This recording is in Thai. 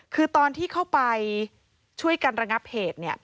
คือตอนที่เข้าไปช่วยกันระงับเหตุ